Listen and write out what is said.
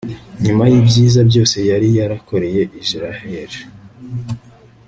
nyuma y'ibyiza byose yari yarakoreye israhel